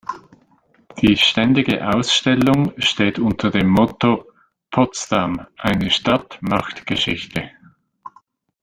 Die ständige Ausstellung steht unter dem Motto: "Potsdam, eine Stadt macht Geschichte".